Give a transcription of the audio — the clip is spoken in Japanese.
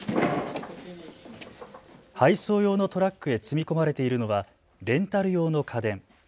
配送用のトラックへ積み込まれているのはレンタル用の家電。